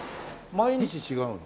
毎日違うの？